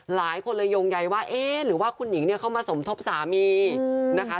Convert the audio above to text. หลายคนเลยโยงใยว่าเอ๊ะหรือว่าคุณหนิงเนี่ยเข้ามาสมทบสามีนะคะ